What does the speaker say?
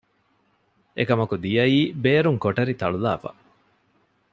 އެކަމަކު ދިޔައީ ބޭރުން ކޮޓަރި ތަޅުލައިފަ